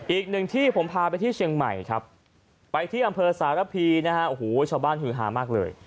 อีกหนึ่งที่ผมพาไปที่เชียงใหม่ครับไปที่อำเภอสารพีนะฮะโอ้โหชาวบ้านฮือฮามากเลย